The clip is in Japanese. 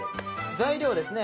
材料はですね